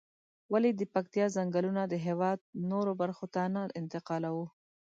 ولې د پکتيا ځنگلونه د هېواد نورو برخو ته نه انتقالوو؟